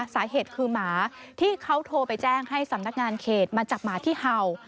สาเหตุคือหมาที่เขาโทรไปแจ้งให้สำนักงานเขตมาจับหมาที่เห่า